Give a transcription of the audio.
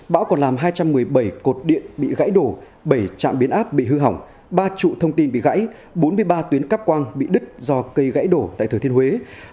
bão còn làm hai trăm một mươi bảy cột điện bị gãy đổ bảy trạm biến áp bị hư hỏng ba trụ thông tin bị gãy bốn mươi ba tuyến cắp quang bị đứt do cây gãy đổ tại thời thiên huế